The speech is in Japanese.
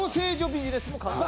ビジネスも考え